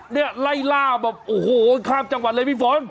นี่ไล่ล่าบอกครามจังหวัดเลยพี่ฝน